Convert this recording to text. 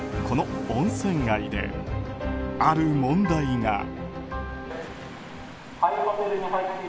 この温泉街で、ある問題が。